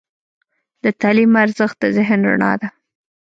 د تعلیم ارزښت د ذهن رڼا ده.